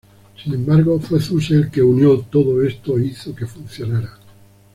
Sin embargo, fue Zuse el que unió todo esto e hizo que funcionara.